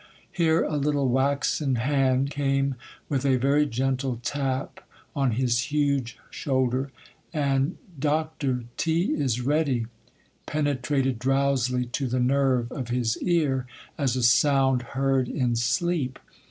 Here a little waxen hand came with a very gentle tap on his huge shoulder, and 'Doctor, tea is ready,' penetrated drowsily to the nerve of his ear, as a sound heard in sleep.